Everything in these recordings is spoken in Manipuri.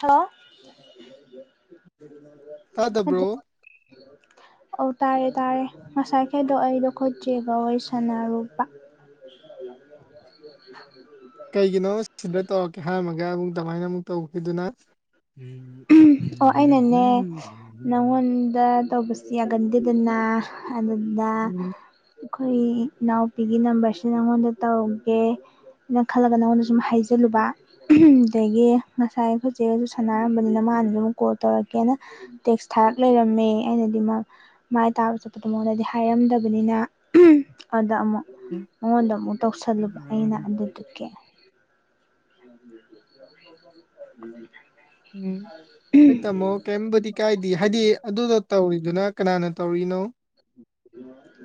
ꯍꯜꯂꯣ ꯅꯠꯇꯦ ꯇꯥꯗꯕ꯭ꯔꯣ [inaudible] ꯑꯧ ꯇꯥꯏꯌꯦ ꯇꯥꯔꯦ ꯉꯁꯥꯏ ꯈꯩꯗꯣ ꯑꯩꯗꯣ ꯈꯣꯆꯦꯒ ꯋꯥꯔꯤ ꯁꯥꯟꯅꯔꯨꯕ [inaudible] ꯀꯩꯒꯤꯅꯣ ꯁꯤꯗ ꯇꯧꯔꯛꯀꯦ ꯍꯥꯏꯔꯝꯃꯒ ꯑꯃꯨꯛ ꯗꯃꯥꯏꯅ ꯑꯃꯨꯛ ꯇꯧꯈꯤꯗꯨꯅ ꯎꯝ ꯑꯣ ꯑꯩꯅꯅꯦ ꯅꯪꯉꯣꯟꯗ ꯇꯧꯕꯁꯤ ꯌꯥꯒꯟꯗꯦꯗꯅ ꯑꯗꯨꯗ ꯑꯈꯣꯏ ꯏꯅꯥꯎꯄꯤꯒꯤ ꯅꯝꯕꯔꯁꯤ ꯅꯪꯉꯣꯟꯗ ꯇꯧꯒꯦ ꯅ ꯈꯜꯂꯒ ꯅꯉꯣꯟꯗ ꯁꯨꯝ ꯍꯥꯏꯖꯜꯂꯨꯕ ꯗꯒꯤ ꯉꯁꯥꯏ ꯈꯣꯏꯆꯦꯒꯁꯨ ꯁꯅꯥ [unintelligible] ꯃꯥꯅ ꯗꯨꯝ ꯀꯣꯜ ꯇꯧꯔꯛꯀꯦꯅ ꯇꯦꯛꯁ ꯊꯥꯔꯛ ꯂꯩꯔꯝꯃꯦ ꯑꯩꯅꯗꯤ ꯃꯥ ꯃꯥꯏ ꯇꯥꯕ ꯆꯠꯄꯗꯣ ꯃꯉꯣꯟꯗꯗꯤ ꯍꯥꯏꯔꯝꯗꯕꯅꯤꯅ ꯑꯗ ꯑꯃꯨꯛ ꯃꯉꯣꯟꯗ ꯑꯃꯨꯛ ꯇꯧꯁꯜꯂꯨꯕ ꯑꯩꯅ ꯑꯗꯨꯗꯨꯒꯤ [inaudible] [inaudible] ꯎꯝ ꯍꯣꯏ ꯇꯝꯃꯣ ꯀꯩꯝꯕꯨꯗꯤ ꯀꯥꯏꯗꯤꯌꯦ ꯍꯥꯏꯗꯤ ꯑꯗꯨꯗꯣ ꯇꯧꯔꯤꯗꯨꯅ ꯀꯅꯥꯅ ꯇꯧꯔꯤꯅꯣ [inaudible]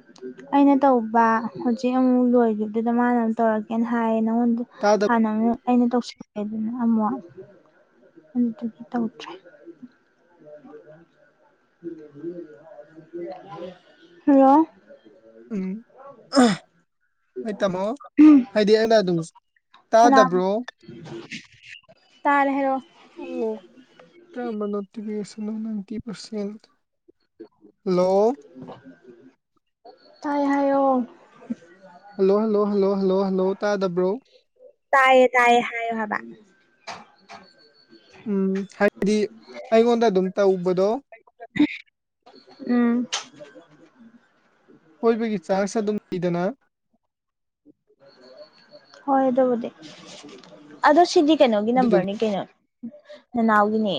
ꯑꯩꯅ ꯇꯧꯕ ꯍꯧꯖꯤꯛ ꯑꯃꯨꯛ ꯂꯣꯏꯒꯤꯕꯗꯨꯗ ꯃꯥꯅ ꯑꯃꯨꯛ ꯇꯧꯔꯛꯀꯦꯅ ꯍꯥꯏꯌꯦ ꯅꯪꯉꯣꯟꯗ ꯇꯥꯗꯕ ꯍꯥꯟꯅ ꯑꯃꯛ ꯑꯩꯅ ꯇꯧꯁꯤꯜꯂꯦꯗꯅ ꯑꯃꯨꯛ ꯑꯗꯨꯗꯨꯒꯤ ꯇꯧꯗ꯭ꯔꯦ [inaudible] ꯍꯜꯂꯣ ꯎꯝ ꯍꯣꯏ ꯇꯥꯃꯣ ꯍꯥꯏꯗꯤ ꯑꯩꯅ ꯑꯗꯨꯝ ꯁꯂꯥꯝ ꯇꯥꯗꯕ꯭ꯔꯣ ꯇꯥꯔꯦ ꯍꯥꯏꯔꯣ ꯑꯣ ꯀꯝꯕꯅꯣ ꯇꯤꯕꯦꯁ ꯁꯦꯝꯕꯥꯝ ꯅꯥꯏꯟꯇꯤ ꯄꯔꯁꯦꯟ ꯍꯜꯂꯣ ꯇꯥꯏ ꯍꯥꯏꯌꯑꯣ hello hello hello hello hello ꯇꯥꯗꯕ꯭ꯔꯣ ꯇꯌꯦ ꯇꯌꯦ ꯍꯌꯦ ꯍꯕ ꯎꯝ ꯍꯥꯏꯕꯗꯤ ꯑꯩꯒꯣꯟꯗ ꯑꯗꯨꯝ ꯇꯧꯕꯗꯣ ꯎꯝ ꯀꯣꯏꯕꯒꯤ ꯆꯥꯡꯁ ꯑꯗꯨꯝ ꯂꯩꯗꯅ ꯍꯣꯌ ꯑꯗꯨꯕꯨꯗꯤ ꯑꯗꯣ ꯁꯤꯗꯤ ꯀꯩꯅꯣꯒꯤ ꯑꯗꯨꯗꯨꯒꯤ ꯅꯝꯕꯔꯅꯤ ꯀꯩꯅꯣ ꯅꯅꯥꯎꯒꯤꯅꯦ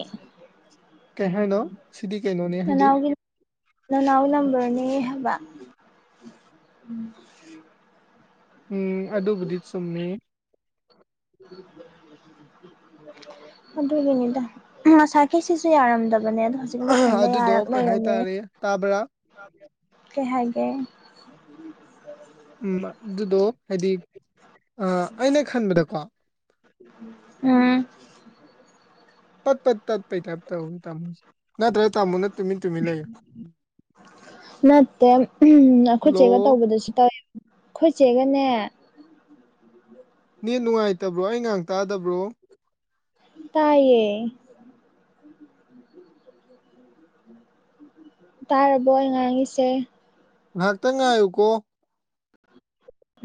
ꯀꯩ ꯍꯥꯏꯅꯣ ꯁꯤꯗꯤ ꯀꯩꯅꯣꯅꯦ ꯍꯥꯏꯗꯤ ꯅ ꯅꯎ ꯅꯝꯕꯔꯅꯦ ꯍꯥꯏꯕ ꯎꯝ ꯑꯗꯨꯕꯨꯗꯤ ꯆꯨꯝꯃꯤ [inaudible] ꯑꯗꯨꯒꯤꯅꯤꯗ ꯉꯁꯥꯒꯤ ꯁꯤꯁꯨ ꯌꯥꯔꯝꯗꯕꯅꯦ ꯑꯗꯣ ꯍꯦ ꯍꯧꯖꯤꯛ ꯃꯊꯟꯇ ꯑꯗꯨꯗꯣ ꯌꯥꯔꯒ ꯀꯩ ꯂꯩꯔꯝꯃꯦ ꯍꯥꯏꯇꯥꯔꯦ ꯇꯥꯕ꯭ꯔꯥ ꯀꯩ ꯍꯥꯏꯒꯦ [unintelligible] ꯎꯝ ꯑꯗꯨꯗꯣ ꯍꯥꯏꯗꯤ ꯑꯩꯅ ꯈꯟꯕꯗꯀꯣ ꯎꯝ ꯄꯠ ꯄꯠ ꯇꯠ ꯄꯩ ꯇꯥꯏꯞ ꯇꯧꯋꯦ ꯇꯥꯃꯣꯁꯦ ꯅꯠꯇ꯭ꯔꯒ ꯇꯥꯃꯣꯅ ꯇꯨꯃꯤꯟ ꯇꯨꯃꯤꯟ ꯂꯩ ꯅꯠꯇꯦ ꯑꯩꯈꯣꯏ ꯍꯜꯂꯣ ꯆꯦꯒ ꯇꯧꯕꯗꯁꯨ ꯇꯧꯋꯦ ꯑꯩꯈꯣꯏ ꯆꯦꯒꯅꯦ ꯅꯤꯠ ꯅꯨꯡꯉꯥꯏꯇꯕ꯭ꯔꯣ ꯑꯩ ꯉꯍꯥꯛ ꯇꯥꯗꯕ꯭ꯔꯣ ꯇꯥꯏꯌꯦ ꯇꯥꯔꯕꯣ ꯑꯩ ꯉꯥꯡꯉꯤꯁꯦ ꯉꯥꯏꯍꯥꯛꯇꯪ ꯉꯥꯏꯌꯨꯀꯣ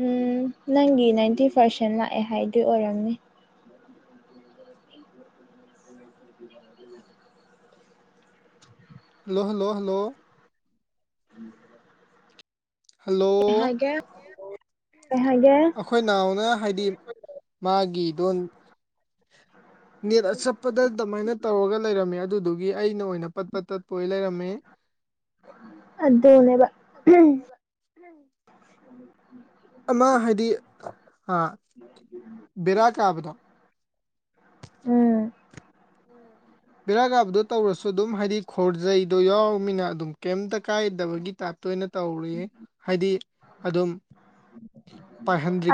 ꯎꯝ ꯅꯪꯒꯤ ꯅꯥꯏꯟꯇꯤ ꯄꯥꯔꯁꯦꯟ ꯂꯥꯛꯑꯦ ꯍꯥꯏꯗꯨ ꯑꯣꯏꯔꯝꯅꯤ ꯍꯜꯂꯣ ꯍꯜꯂꯣ ꯍꯜꯂꯣ ꯎꯝ [unintelligible] ꯍꯜꯂꯣ ꯀꯩ ꯍꯥꯏꯒꯦ ꯑꯩꯈꯣꯏ ꯅꯥꯎꯅ ꯍꯥꯏꯗꯤ ꯃꯥꯒꯤꯗꯣꯟ ꯅꯦꯠ ꯑꯆꯠꯄꯗ ꯑꯗꯨꯃꯥꯏꯅ ꯇꯧꯔꯒ ꯂꯩꯔꯝꯃꯦ ꯑꯗꯨꯗꯨ ꯑꯗꯨꯒꯤ ꯑꯩꯅ ꯑꯣꯏꯅ ꯄꯠ ꯄꯥꯠ ꯇꯠꯄ ꯑꯣꯏ ꯂꯩꯔꯝꯃꯦ ꯑꯗꯨꯗꯦꯅꯦꯕ ꯎꯝ [unintelligible] ꯎꯝ [unintelligible] ꯑꯃ ꯍꯥꯏꯗꯤ ꯕꯦꯔꯥ ꯀꯥꯕꯗꯣ ꯎꯝ [unintelligible] ꯕꯦꯔꯥ ꯀꯥꯕꯗꯣ ꯇꯧꯔꯁꯨ ꯑꯗꯨꯝ ꯍꯥꯏꯗꯤ ꯈꯣꯔꯖꯩꯗꯣ ꯌꯥꯎꯔꯃꯤꯅ ꯑꯗꯨꯝ ꯀꯩꯝꯇ ꯀꯥꯏꯗꯕꯒꯤ ꯇꯥꯏꯞꯇ ꯇꯣꯏꯅ ꯇꯧꯔꯤ ꯍꯥꯏꯗꯤ ꯑꯗꯨꯝ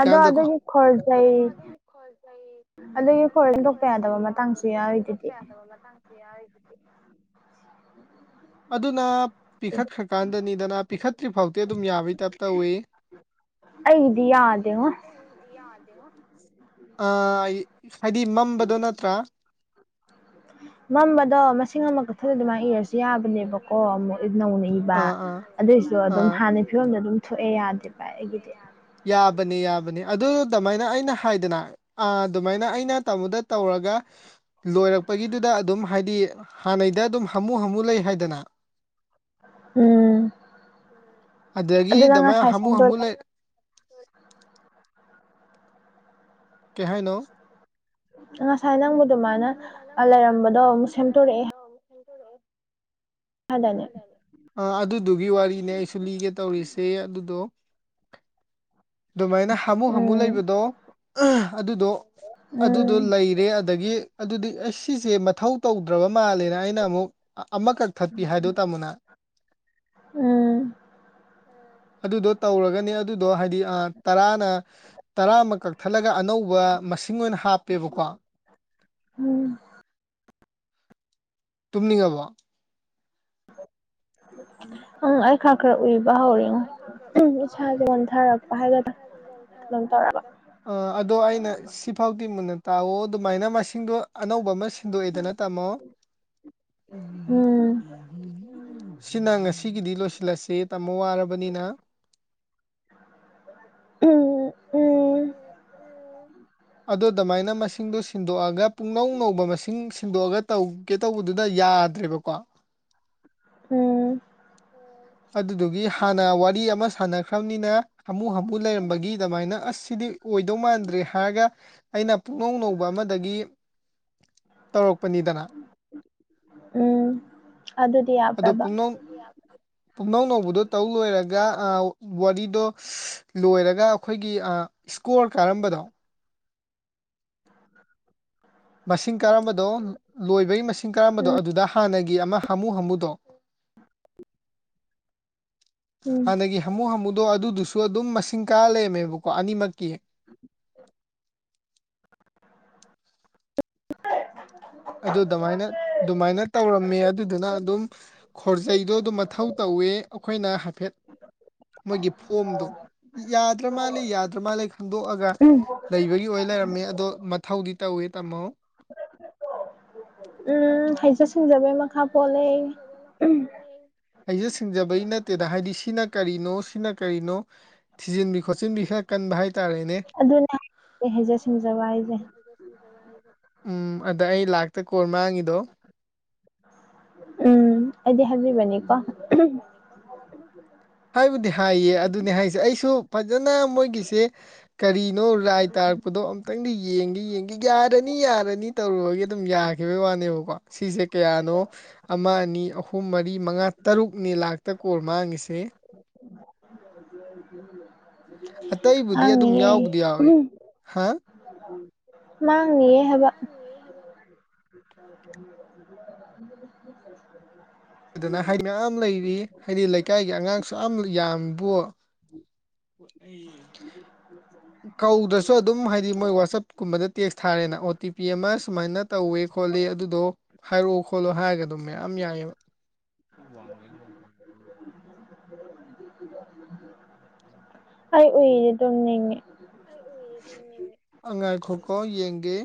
ꯑꯗꯣ ꯑꯗꯨꯗꯒꯤ ꯈꯔꯖꯩ ꯑꯗꯨꯗꯒꯤ ꯍꯣꯔ ꯍꯟꯗꯣꯛꯄ ꯌꯥꯗꯕ ꯃꯇꯥꯡꯁꯨ ꯌꯥꯎꯔꯔꯤꯗꯨꯗꯤ ꯑꯗꯨꯅ ꯄꯤꯈꯠꯈ꯭ꯔꯀꯥꯟꯗꯅꯤꯗꯅ ꯄꯤꯈꯠꯇ꯭ꯔꯤ ꯐꯥꯎꯗꯤ ꯑꯗꯨꯝ ꯌꯥꯕꯩ ꯇꯥꯏꯞ ꯇꯧꯏꯤ ꯑꯩꯒꯤꯗꯤ ꯌꯥꯗꯦ ꯉꯣ ꯫ ꯗꯤ ꯌꯥꯗꯦ ꯉꯣ ꯑꯥ ꯍꯥꯏꯗꯤ ꯃꯝꯕꯗꯣ ꯅꯠꯇ꯭ꯔꯥ ꯃꯝꯕꯗꯣ ꯃꯁ ꯏꯁꯤꯡ ꯑꯃ ꯀꯛꯊꯗ ꯑꯗꯨ ꯃꯥꯏ ꯏꯔꯁꯨ ꯌꯥꯕꯅꯦꯕꯀꯣ ꯑꯃꯨꯛ ꯅꯧꯅ ꯏꯕ ꯑꯥ ꯑꯗꯨꯏꯁꯨ ꯑꯥ ꯑꯗꯨꯝ ꯑꯥ ꯍꯥꯟꯅ ꯐꯤꯕꯝꯗ ꯑꯗꯨꯝ ꯊꯣꯛꯑꯦ ꯌꯥꯗꯦ ꯚꯥꯏ ꯑꯩꯒꯤꯗꯤ ꯌꯥꯕꯅꯦ ꯌꯥꯕꯅꯤ ꯑꯗꯨ ꯗꯃꯥꯏꯅ ꯑꯩꯅ ꯍꯥꯏꯗꯅ ꯑꯥ ꯗꯨꯃꯥꯏꯅ ꯑꯩꯅ ꯇꯥꯕꯗ ꯇꯧꯔꯒ ꯂꯣꯏꯔꯛꯄꯒꯤꯗꯨꯗ ꯑꯗꯨꯝ ꯍꯥꯏꯗꯤ ꯍꯥꯟꯅꯩꯗ ꯑꯗꯨꯝ ꯍꯥꯃꯨ ꯍꯥꯃꯨ ꯂꯩ ꯍꯥꯏꯗꯅ ꯎꯝ ꯑꯗꯒꯤ ꯑꯗꯨꯅ ꯗꯃꯥꯏ ꯉꯁꯥꯏ ꯍꯥꯃꯨ ꯍꯥꯃꯨ ꯁꯦꯝꯗꯣꯔꯛꯑꯦ ꯂꯩ ꯀꯩꯍꯥꯏꯅꯣ? ꯉꯁꯥꯏ ꯅꯪꯕꯨ ꯗꯨꯃꯥꯏꯅ ꯑ ꯂꯩꯔꯝꯕꯗꯣ ꯑꯃꯨꯛ ꯁꯦꯝꯗꯣꯔꯛꯑꯦ ꯍꯥꯏꯗꯥꯏꯅꯦ ꯑꯥ ꯑꯗꯨꯗꯨꯒꯤ ꯋꯥꯔꯤꯅꯦ ꯑꯩꯁꯨ ꯂꯤꯒꯦ ꯇꯧꯔꯤꯁꯦ ꯑꯗꯨꯗꯣ ꯗꯨꯃꯥꯏꯅ ꯍꯥꯃꯨ ꯍꯥꯃꯨ ꯎꯝ ꯂꯩꯕꯗꯣ ꯑꯗꯨꯗꯣ ꯑꯗꯨꯗꯣ ꯎꯝ ꯂꯩꯔꯦ ꯑꯗꯒꯤ ꯑꯗꯨꯗꯤ ꯑꯁ ꯁꯤꯁꯦ ꯃꯊꯧ ꯇꯧꯗ꯭ꯔꯕ ꯃꯥꯜꯂꯦꯅ ꯑꯩꯅ ꯑꯃꯨꯛ ꯑꯃ ꯀꯛ ꯊꯠꯄꯤ ꯍꯥꯏꯗꯣ ꯇꯥꯃꯣꯅ ꯎꯝ ꯎꯝ ꯑꯗꯨꯗꯣ ꯇꯧꯔꯒꯅꯤ ꯑꯗꯨꯗꯣ ꯍꯥꯏꯗꯤ ꯑꯥ ꯇꯔꯥꯅ ꯇꯔꯥ ꯃꯀꯛ ꯊꯠꯂꯒ ꯑꯅꯧꯕ ꯃꯁꯤꯡ ꯑꯣꯏꯅ ꯍꯥꯞꯄꯦꯕꯀꯣ ꯎꯝ ꯇꯨꯝꯅꯤꯡꯉꯕꯣ ꯎꯝ ꯑꯩ ꯈ꯭ꯔ ꯈ꯭ꯔ ꯎꯏꯕ ꯍꯧꯔꯦ꯫ ꯑꯩ ꯈ꯭ꯔ ꯈ꯭ꯔ ꯎꯏꯕ ꯍꯧꯔꯦ ꯉꯣ ꯈꯪꯗꯦ ꯍꯥꯏꯒꯗ꯭ꯔꯥ ꯏꯁꯥꯁꯦ ꯀꯩꯅꯣꯝ ꯅꯟꯊꯔꯛꯄ ꯇꯧꯔꯕ ꯍꯥꯏꯒꯗ꯭ꯔ ꯑ ꯑꯗꯣ ꯑꯩꯅ ꯁꯤꯐꯥꯎꯗꯤ ꯃꯨꯟꯅ ꯇꯥꯎꯑꯣ ꯗꯨꯃꯥꯏꯅ ꯃꯁꯤꯡꯗꯣ ꯑꯅꯧꯕ ꯑꯃ ꯁꯤ ꯗꯣꯛꯏꯗꯅ ꯇꯥꯝꯃꯣ ꯎꯝ ꯎꯝ ꯁꯤꯅ ꯉꯁꯤꯒꯤꯗꯤ ꯂꯣꯏꯁꯤꯜꯂꯁꯤ ꯇꯃꯣ ꯋꯥꯔꯕꯅꯤꯅ꯫ ꯎꯝ ꯎꯝ [unintelligible] ꯑꯗꯣ ꯗꯃꯥꯏꯅ ꯃꯁꯤꯡꯗꯣ ꯁꯤꯟꯗꯣꯛꯑꯒ ꯄꯨꯡꯅꯧ ꯅꯧꯕ ꯃꯁꯤꯡ ꯁꯤꯟꯗꯣꯛꯑꯒ ꯇꯧꯒꯦ ꯇꯧꯕꯗꯨꯗ ꯌꯥꯗ꯭ꯔꯦꯕꯀꯣ ꯎꯝ ꯑꯗꯨꯗꯨꯒꯤ ꯍꯥꯟꯅ ꯋꯥꯔꯤ ꯑꯃ ꯁꯥꯟꯅꯈ꯭ꯔꯕꯅꯤꯅ ꯍꯥꯃꯨ ꯍꯥꯃꯨ ꯂꯩꯔꯝꯕꯒꯤ ꯗꯃꯥꯏꯅ ꯑꯁ ꯁꯤꯗꯤ ꯑꯣꯏꯗꯧ ꯃꯥꯟꯗ꯭ꯔꯦ ꯍꯥꯏꯔꯒ ꯑꯩꯅ ꯄꯨꯛꯅꯧ ꯅꯧꯕ ꯑꯃꯗꯒꯤ ꯇꯧꯔꯛꯄꯅꯤꯗꯅ ꯎꯝ ꯑꯗꯨꯗꯤ ꯌꯥꯕ꯭ꯔꯥꯕ? ꯄꯨꯝꯅꯧ ꯅꯧꯕꯗꯣ ꯇꯧ ꯂꯣꯏꯔꯒ ꯑ ꯋꯥꯔꯤꯗꯣ ꯂꯣꯏꯔꯒ ꯑꯈꯣꯏꯒꯤ ꯑ ꯁ꯭ꯀꯣꯔ ꯀꯥꯔꯝꯕꯗꯣ ꯃꯁꯤꯡ ꯀꯔꯝꯕꯗꯣ ꯂꯣꯏꯕꯒꯤ ꯃꯁꯤꯡ ꯀꯔꯝꯕꯗꯣ ꯎꯝ ꯑꯗꯨꯗ ꯍꯥꯟꯅꯒꯤ ꯑꯃ ꯍꯥꯃꯨ ꯍꯥꯃꯨꯗꯣ ꯎꯝ ꯍꯥꯟꯅꯒꯤ ꯍꯥꯃꯨ ꯍꯥꯃꯨꯗꯣ ꯑꯗꯨꯗꯨꯁꯨ ꯑꯗꯨꯝ ꯃꯁꯤꯡ ꯀꯥꯔ ꯂꯩꯔꯝꯃꯦꯕꯀꯣ ꯑꯅꯤꯃꯛꯀꯤ ꯑꯗꯨ ꯗꯃꯥꯏꯅ ꯗꯨꯃꯥꯏꯅ ꯇꯧꯔꯝꯃꯦ ꯑꯗꯨꯗꯨꯅ ꯑꯗꯨꯝ ꯈꯣꯔꯖꯩꯗꯣ ꯑꯗꯨꯝ ꯃꯊꯧ ꯇꯧꯋꯦ ꯑꯈꯣꯏꯅ ꯍꯥꯏꯐꯦꯠ ꯃꯣꯏꯒꯤ ꯐꯣꯝꯗꯣ ꯌꯥꯗ꯭ꯔ ꯃꯥꯜꯂꯤ ꯌꯥꯗ꯭ꯔ ꯃꯥꯜꯂꯦ ꯈꯪꯗꯣꯛꯑꯒ ꯎꯝ ꯂꯩꯕꯒꯤ ꯑꯣꯏ ꯂꯩꯔꯝꯃꯦ ꯑꯗꯣ ꯃꯊꯧꯗꯤ ꯇꯧꯋꯤ ꯇꯥꯃꯣ꯫ ꯎꯝ ꯍꯩꯖ ꯁꯤꯡꯖꯕꯩ ꯃꯈꯥ ꯄꯣꯜꯂꯦ꯫ ꯍꯩꯖ ꯁꯤꯡꯖꯕꯩ ꯅꯠꯇꯦꯗ ꯍꯥꯏꯗꯤ ꯁꯤꯅ ꯀꯔꯤꯅꯣ ꯁꯤꯅ ꯀꯔꯤꯅꯣ ꯊꯤꯖꯤꯟꯕꯤ ꯈꯣꯠꯆꯤꯟꯕꯤ ꯈꯔ ꯀꯟꯕ ꯍꯥꯏꯇꯥꯔꯦꯅꯦ ꯑꯗꯨꯅꯦ ꯍꯩꯖꯦ ꯁꯤꯡꯖꯕ ꯍꯥꯏꯁꯦ ꯎꯝ ꯑꯗ ꯑꯩ ꯂꯥꯛꯇ ꯀꯣꯔ ꯃꯥꯡꯉꯤꯗꯣ ꯎꯝ ꯑꯩꯗꯤ ꯍꯥꯏꯕꯤꯕꯅꯤꯀꯣ ꯍꯥꯏꯕꯨꯗꯤ ꯍꯥꯏꯌꯦ ꯑꯗꯨꯅꯦ ꯍꯥꯏꯁꯦ ꯑꯩꯁꯨ ꯐꯖꯅ ꯃꯣꯏꯒꯤꯁꯦ ꯀꯔꯤꯅꯣ ꯔꯥꯏ ꯇꯥꯔꯛꯄꯗꯣ ꯑꯝ ꯇꯪꯗꯤ ꯌꯦꯡꯗꯤ ꯌꯦꯡꯒꯦ ꯌꯥꯔꯅꯤ ꯌꯥꯔꯅꯤ ꯇꯧꯔꯨꯕꯒꯤ ꯑꯗꯨꯝ ꯌꯥꯈꯤꯕꯒꯤ ꯋꯥꯅꯦꯕꯀꯣ ꯁꯤꯁꯦ ꯀꯌꯥꯅꯣ ꯑꯃ ꯑꯅꯤ ꯑꯍꯨꯝ ꯃꯔꯤ ꯃꯉꯥ ꯇꯔꯨꯛꯅꯦ ꯂꯥꯛꯇ ꯀꯣꯔ ꯃꯥꯡꯉꯤꯁꯦ ꯃꯥꯡꯅꯤꯌꯦ ꯍꯥꯥ ꯃꯥꯥꯡꯅꯤꯌꯦ ꯍꯥꯏꯕ [inaudible] ꯑꯗꯨꯅ ꯍꯥꯏ ꯃꯌꯥꯝ ꯂꯩꯔꯤ ꯍꯥꯏꯗꯤ ꯂꯩꯀꯥꯏꯒꯤ ꯑꯉꯥꯡ ꯁꯨꯛꯌꯥꯝ ꯌꯥꯝꯕꯨ ꯀꯧꯗ꯭ꯔꯁꯨ ꯑꯗꯨꯝ ꯍꯥꯏꯗꯤ ꯃꯣꯏ ꯋꯥꯆꯞ ꯀꯨꯝꯕꯗ ꯇꯦꯛꯁ ꯊꯥꯔꯦꯅ ꯑꯣ ꯇꯤ ꯄꯤ ꯑꯃ ꯁꯨꯃꯥꯏꯅ ꯇꯧꯋꯦ ꯈꯣꯠꯂꯤ ꯑꯗꯨꯗꯣ ꯍꯥꯏꯔꯛꯑꯣ ꯈꯣꯠꯂꯣ ꯍꯥꯏꯔꯒ ꯑꯗꯨꯝ ꯃꯌꯥꯝ ꯌꯥꯏꯌꯦꯕ [unintelligible] [inaudible] ꯑꯩ ꯎꯏꯔꯦ ꯇꯨꯝꯅꯤꯡꯉꯦ ꯑ ꯉꯥꯏꯈꯣꯀꯣ ꯌꯦꯡꯒꯦ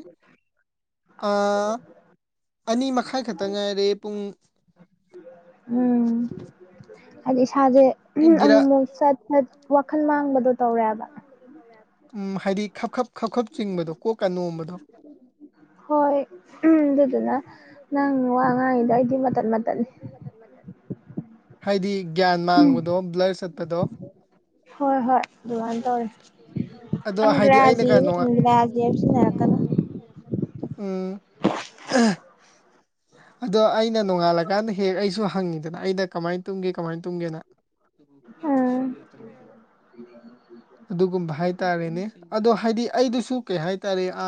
ꯑꯥ ꯑꯅꯤ ꯃꯈꯥꯏ ꯈꯛꯇ ꯉꯥꯏꯔꯦ ꯄꯨꯡ ꯎꯝ ꯍꯥꯏꯗꯤ ꯏꯁꯥꯁꯦ ꯏꯟꯗꯤꯔꯥ ꯑꯃꯃꯨꯛ ꯁꯠ ꯐꯠ ꯋꯥꯈꯜ ꯃꯥꯡꯕꯗꯣ ꯇꯧꯔꯦ ꯍꯥꯏꯕ ꯇꯧꯔꯦ ꯍꯥꯏꯕ ꯎꯝ ꯍꯥꯏꯗꯤ ꯈꯞꯈꯞ ꯈꯞꯈꯞ ꯆꯤꯡꯕꯗꯣ ꯀꯣꯛ ꯀ ꯅꯣꯝꯕꯗꯣ ꯍꯣꯏ ꯎꯝ ꯑꯗꯨꯗꯨꯅ ꯑꯗꯨꯗꯨꯅ ꯅꯪ ꯋꯥ ꯅꯪ ꯉꯥꯡꯉꯤꯗꯣ ꯑꯩꯗꯤ ꯋꯥ ꯃꯇꯠ ꯉꯥꯡꯉꯤꯗꯣ ꯃꯇꯠꯅꯤ ꯑꯩꯗꯤ ꯃꯇꯠ ꯃꯇꯠꯅꯤ ꯍꯥꯏꯗꯤ ꯒ꯭ꯌꯥꯟ ꯃꯥꯡꯕꯗꯣ ꯕ꯭ꯂꯔ ꯆꯠꯄꯗꯣ ꯍꯣꯏ ꯍꯣꯏ ꯑꯗꯨꯃꯥꯏꯅ ꯇꯧꯔꯦ [unintelligible] ꯑꯗꯣ ꯍꯥꯏꯗꯤ ꯑꯪꯒ꯭ꯔꯥꯖꯤ ꯑꯩꯅꯒ ꯑꯃ ꯅꯣꯋꯥ ꯏꯪꯒ꯭ꯔꯥꯖꯤ ꯍꯥꯏꯕ ꯁꯤꯖꯤꯟꯅꯔꯛꯀꯅꯨ ꯎꯝ ꯑꯗꯣ ꯑꯩꯅ ꯅꯣꯡꯉꯥꯜꯂꯀꯥꯟꯗ ꯍꯦꯛ ꯑꯩꯁꯨ ꯍꯪꯉꯤꯗꯅ ꯑꯩꯅ ꯀꯃꯥꯏꯅ ꯇꯨꯝꯒꯦ ꯀꯃꯥꯏꯅ ꯇꯨꯝꯒꯦꯅ [unintelligible] ꯑꯗꯨꯒꯨꯝꯕ ꯍꯥꯏꯇꯥꯔꯦꯅꯦ ꯑꯗꯣ ꯍꯥꯏꯗꯤ ꯑꯩꯗꯨꯁꯨ ꯀꯩ ꯍꯥꯏꯇꯥꯔꯦ ꯑ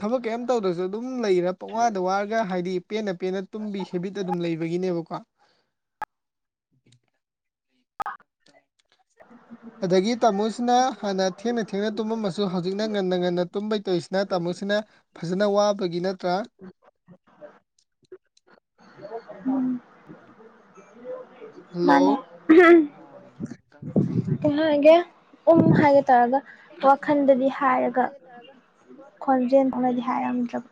ꯊꯕꯛ ꯀꯔꯤꯝ ꯇꯧꯗꯁꯨ ꯑꯗꯨꯝ ꯂꯩꯔ ꯄꯛꯋꯥꯗ ꯋꯥꯔꯒ ꯍꯥꯏꯗꯤ ꯄꯦꯟꯅ ꯄꯦꯟꯅ ꯇꯨꯝꯕꯤ ꯍꯦꯕꯤꯠ ꯑꯗꯨꯝ ꯂꯩꯕꯒꯤꯅꯦꯕꯀꯣ [unintelligible] ꯑꯗꯒꯤ ꯇꯥꯃꯣꯁꯤꯅ ꯍꯥꯟꯅ ꯊꯦꯡꯅ ꯊꯦꯡꯅ ꯇꯨꯝꯃꯝꯃꯁꯨ ꯍꯧꯖꯤꯛꯅ ꯉꯟꯅ ꯉꯟꯅ ꯇꯨꯝꯕꯩ ꯇꯣꯏꯔꯤꯁꯤꯅ ꯇꯥꯃꯣꯁꯤꯅ ꯐꯖꯅ ꯋꯥꯕꯒꯤ ꯅꯠꯇ꯭ꯔꯥ ꯍꯜꯂꯣ ꯃꯥꯅꯦ ꯀꯩꯍꯥꯏꯒꯦ ꯎꯝ ꯍꯥꯏꯒꯦ ꯇꯧꯔꯒ ꯋꯥꯈꯜꯗꯗꯤ ꯍꯥꯏꯔꯒ ꯈꯣꯟꯖꯦꯜ ꯈꯅꯗꯤ ꯍꯥꯏꯔꯝꯗ꯭ꯔꯕ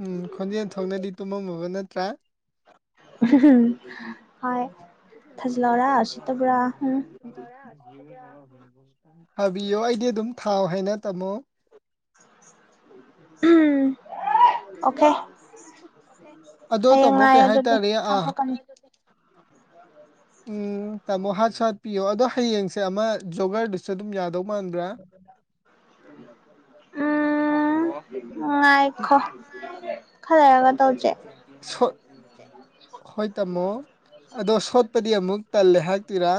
ꯎꯝ ꯈꯣꯟꯖꯦꯜ ꯊꯣꯛꯅꯗꯤ ꯇꯨꯝꯃꯃꯕ ꯅꯠꯇ꯭ꯔꯥ ꯍꯣꯏ ꯊꯥꯖꯟꯂꯣꯔꯥ ꯎꯁꯤꯇꯕꯔ ꯍꯨꯡ ꯍꯥꯕꯤꯌꯣ ꯑꯩꯗꯤ ꯑꯗꯨꯝ ꯊꯥꯎ ꯍꯥꯏꯅ ꯇꯝꯃꯣ ꯎꯝ ꯑꯣꯀꯦ ꯑꯗꯣ ꯍꯌꯦꯡ ꯇꯥꯃꯣ ꯉꯥꯏꯌꯣ ꯀꯩ ꯑꯗꯨꯗꯤ ꯍꯥꯏꯇꯥꯔꯦ ꯑꯥ ꯍꯥꯥꯠꯇꯣꯛꯀꯅꯤ ꯎꯝ ꯇꯥꯃꯣ ꯍꯥꯠꯁꯨ ꯍꯥꯠꯄꯤꯌꯣ ꯑꯗꯣ ꯍꯌꯦꯡꯁꯦ ꯑꯃ ꯖꯣꯒꯔꯗꯨꯁꯨ ꯑꯗꯨꯝ ꯌꯥꯗꯧ ꯃꯥꯟꯕ꯭ꯔꯥ ꯎꯝ ꯑꯣ ꯉꯥꯏꯈꯣ ꯈꯂꯩꯔꯒ ꯇꯧꯁꯦ ꯁꯣ ꯍꯣꯏ ꯇꯥꯝꯃꯣ ꯑꯗꯣ ꯁꯣꯠꯄꯗꯤ ꯑꯃꯨꯛ ꯇꯜꯂꯦ ꯍꯥꯏ ꯇꯤꯔꯥ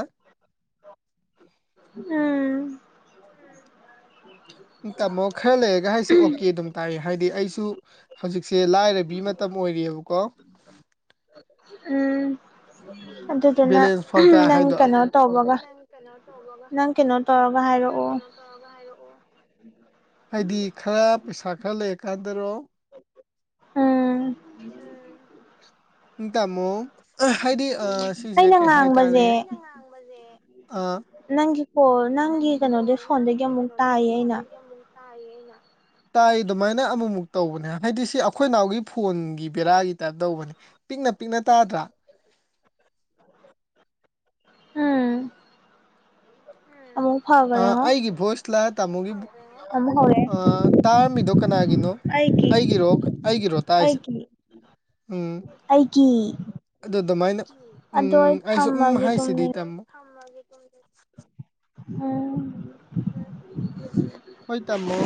ꯎꯝ ꯇꯥꯃꯣ ꯈꯔ ꯂꯩꯔꯒ ꯑꯩꯁꯦ ꯑꯣꯀꯦ ꯑꯗꯨꯝ ꯇꯥꯔꯤ ꯍꯥꯏꯗꯤ ꯑꯩꯁꯨ ꯍꯧꯖꯤꯛꯁꯦ ꯂꯥꯏꯔꯕꯤ ꯃꯇꯝ ꯑꯣꯏꯔꯤꯕꯀꯣ ꯎꯝ ꯑꯗꯨꯗꯨꯅ ꯕꯦꯂꯦꯟꯁ ꯅꯪ ꯀꯩꯅꯣ ꯇꯧꯕꯒ ꯀꯩꯅꯣ ꯇꯕꯒ ꯅꯪ ꯀꯩꯅꯣ ꯇꯧꯔꯒ ꯍꯥꯏꯔꯛꯑꯣ ꯍꯥꯏꯗꯤ ꯈꯔ ꯄꯩꯁꯥ ꯈꯔ ꯂꯩꯔꯀꯥꯟꯗꯔꯣ ꯎꯝ ꯏ ꯇꯃꯣ ꯍꯥꯏꯗꯤ ꯑꯥ ꯁꯤꯖꯦ ꯑꯩꯅ ꯀꯩꯍꯇꯥꯔꯦ ꯉꯥꯡꯕꯁꯦ ꯑ ꯅꯪꯒꯤ ꯀꯣꯜ ꯅꯪꯒꯤ ꯀꯩꯅꯣꯗꯩ ꯐꯣꯟꯗꯒꯤ ꯑꯃꯨꯛ ꯇꯥꯏꯌꯦ ꯑꯩꯅ ꯇꯥꯏꯌꯦ ꯑꯩꯅ ꯇꯥꯏ ꯑꯗꯨꯃꯥꯏꯅ ꯑꯃꯃꯨꯛ ꯇꯧꯕꯅꯦ ꯍꯥꯏꯗꯤ ꯁꯤ ꯑꯩꯈꯣꯏ ꯏꯅꯥꯎꯒꯤ ꯐꯣꯟꯒꯤ ꯕꯦꯔꯥꯒꯤ ꯇꯥꯏꯞ ꯇꯧꯕꯅꯦ ꯄꯤꯛꯅ ꯄꯤꯛꯅ ꯇꯥꯗ꯭ꯔꯥ ꯎꯝ ꯑꯃꯨꯛ ꯑ ꯐꯈ꯭ꯔꯦꯉꯣ ꯑꯩꯒꯤ ꯚꯣꯏꯁꯂ ꯇꯥꯃꯣꯒꯤ ꯑꯃꯨꯛ ꯍꯧꯔꯛꯑꯦ ꯑ ꯇꯥꯔꯝꯃꯤꯗꯣ ꯀꯅꯥꯒꯤꯅꯣ ꯑꯩꯒꯤ ꯑꯩꯒꯤꯔꯣ ꯑꯩꯒꯤꯔꯣ ꯇꯥꯏꯁꯦ ꯑꯩꯒꯤ ꯎꯝ ꯑꯩꯒꯤ ꯑꯗꯨ ꯑꯗꯨꯃꯥꯏꯅ ꯑꯗꯣ ꯎꯝ ꯑꯩ ꯁꯨꯝ ꯊꯝꯃꯒꯦ ꯍꯥꯏꯁꯤꯗꯤ ꯇꯨꯝꯅꯤꯡ ꯇꯥꯃꯣ [unintelligible] ꯎꯝ ꯍꯣꯏ ꯇꯃꯣ